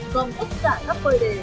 còn tất cả các bơi đề